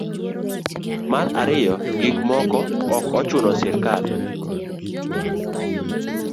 mar ariyo gik moko ok ochuno srikal